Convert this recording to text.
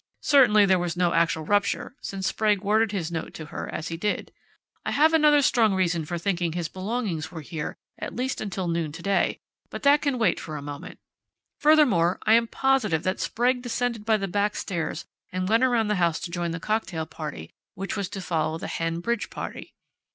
Certainly there was no actual rupture, since Sprague worded his note to her as he did. I have another strong reason for thinking his belongings were here at least until noon today, but that can wait for the moment. Furthermore, I am positive that Sprague descended by the backstairs and went around the house to join the cocktail party which was to follow the hen bridge party."